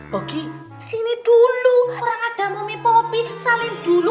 pogi sini dulu orang agama momi poppy salin dulu